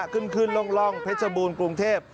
ขึ้นขึ้นร่องเพชรบูรณ์กรุงเทพ